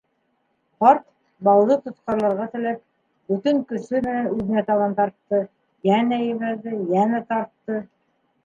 Ҡарт, бауҙы тотҡарларға теләп, бөтөн көсө менән үҙенә табан тартты, йәнә ебәрҙе, йәнә тартты.